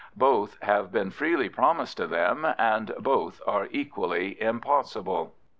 Both have been freely promised to them, and both are equally impossible.